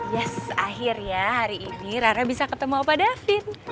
yes akhir ya hari ini rara bisa ketemu apa david